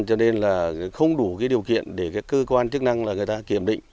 cho nên không đủ điều kiện để cơ quan chức năng kiểm định